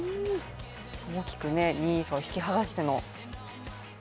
大きく２位以下を引き離しての。